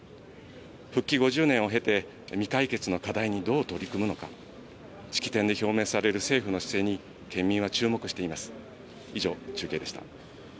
復帰５０年を経て、未解決の課題にどう取り組むのか式典で表明される政府の姿勢に県民は注目しています。